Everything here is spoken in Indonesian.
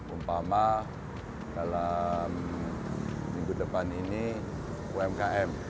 umpama dalam minggu depan ini umkm